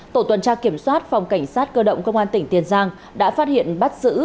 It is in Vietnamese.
tổ tuần tra kiểm soát phòng cảnh sát cơ động công an tỉnh tiền giang đã phát hiện bắt giữ